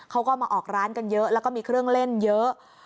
เขาก็มาออกร้านกันเยอะแล้วก็มีเครื่องเล่นเยอะ